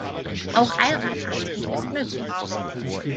Auch Allradantrieb ist möglich.